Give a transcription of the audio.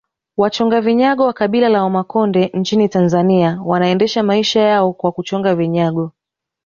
Wachonga vinyago wa kabila la Wamakonde nchini Tanzania wanaendesha maisha yao kwa kuchonga vinyago